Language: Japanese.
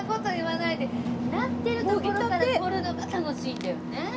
なってるところからとるのが楽しいんだよね。